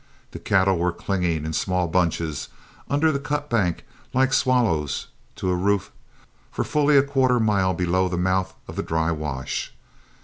The cattle were clinging, in small bunches, under the cut bank like swallows to a roof for fully a quarter mile below the mouth of the dry wash.